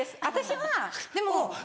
私はでも。